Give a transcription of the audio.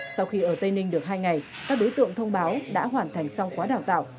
sau khi ở tây ninh được hai ngày các đối tượng thông báo đã hoàn thành xong khóa đào tạo